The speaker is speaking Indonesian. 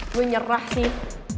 gue nyerah sih